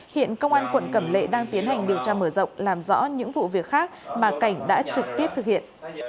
hiện công an quận cẩm lệ đang tiến hành điều tra mở rộng làm rõ những vụ việc khác mà cảnh đã trực tiếp thực hiện